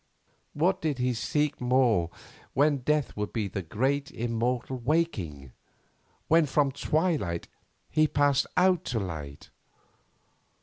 What did he seek more when Death would be the great immortal waking, when from twilight he passed out to light?